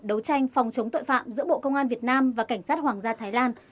đấu tranh phòng chống tội phạm giữa bộ công an việt nam và cảnh sát hoàng gia thái lan